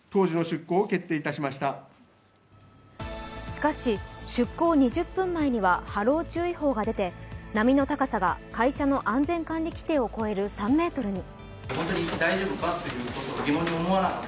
しかし、出航２０分前には波浪注意報が出て波の高さが会社の安全管理規程を超える３ｍに。